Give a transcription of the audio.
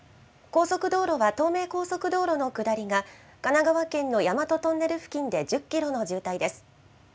高速道路は東名高速道路の下りが神奈川県の大和トンネル付近で１０キロの渋滞です。